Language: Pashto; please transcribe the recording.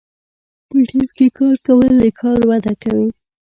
په ټیم کې کار کول د کار وده کوي.